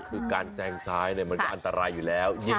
คือการแซงซ้ายมันก็อันตรายอยู่แล้ว